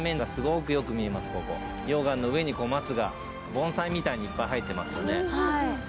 溶岩の上に松が盆栽みたいにいっぱい生えてますよね。